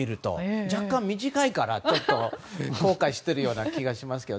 若干短いから後悔しているような気がしますけど。